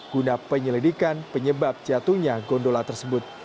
guna penyelidikan penyebab jatuhnya gondola tersebut